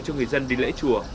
cho người dân đến lễ chùa